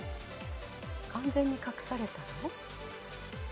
完全に隠されたのを？